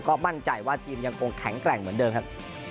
ก็มั่นใจว่าทีมยังคงแข็งแกร่งเหมือนเดิมครับ